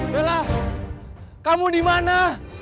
bela kamu dimana